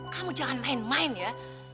kamu jangan main main ya